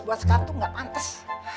buat sekat tuh gak pantes